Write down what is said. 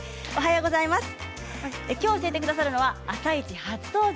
きょう教えてくださるのは「あさイチ」初登場